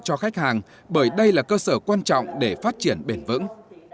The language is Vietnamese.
cho khách hàng bởi đây là cơ sở quan trọng để phát triển bền vững